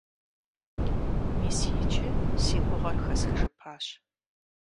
Мис иджы си гугъэр хэсхыжыпащ.